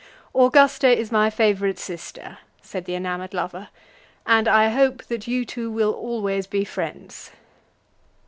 "Augusta is my favourite sister," said the enamoured lover, "and I hope that you two will always be friends."